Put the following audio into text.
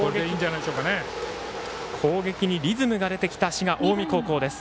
攻撃にリズムが出てきた滋賀・近江高校。